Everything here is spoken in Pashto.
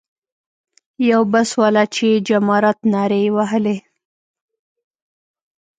یو بس والا چې جمارات نارې یې وهلې.